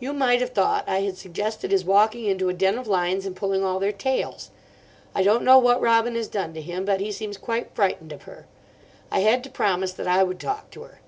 You might have thought I had suggested his walking into a den of lions and pulling all their tails. I don't know what Robin has done to him, but he seems quite frightened of her. I had to promise that I would talk to her.